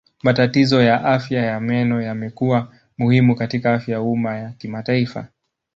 Matatizo ya afya ya meno yamekuwa muhimu katika afya ya umma ya kimataifa.